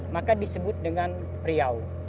maka disebut dengan priau